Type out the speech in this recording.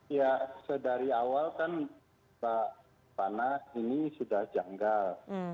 ya dari awal kan pak panah ini sudah janggal